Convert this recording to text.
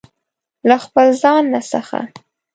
له خپل ځانه څخه